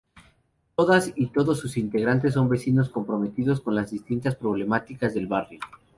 Todas y todos sus integrantes son vecinos comprometidos con las distintas problemáticas del barrio.